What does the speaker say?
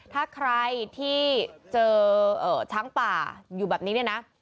ถ้าใครที่เจอช้างป่าอยู่แบบนี้เนี่ยนะ